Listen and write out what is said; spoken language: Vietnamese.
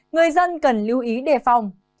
người dân cần lưu ý đề phòng